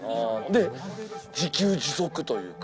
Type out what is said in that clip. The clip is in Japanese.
で、自給自足というか。